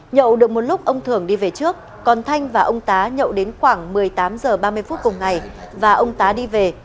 nhậu được một lúc ông thưởng đi về trước còn thanh và ông tá nhậu đến khoảng một mươi tám h ba mươi phút cùng ngày và ông tá đi về